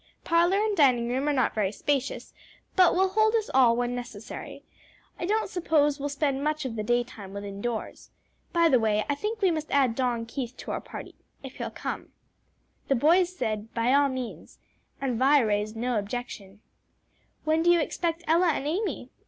Parlor and dining room are not very spacious, but will hold us all when necessary; I don't suppose we'll spend much of the daytime within doors. By the way, I think we must add Don Keith to our party if he'll come." The boys said "By all means," and Vi raised no objection. "When do you expect Ella and Amy?"